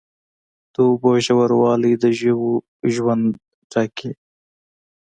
د اوبو ژوروالی د ژویو ژوند ټاکي.